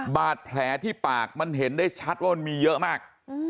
บาดแผลที่ปากมันเห็นได้ชัดว่ามันมีเยอะมาก